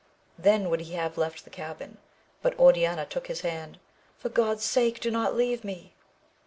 Then would he have left the cabin, but Oriana took his hand — ^For God*s sake do not leave me